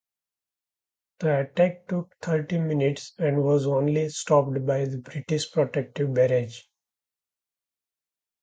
The attack took thirty minutes and was only stopped by the British protective barrage.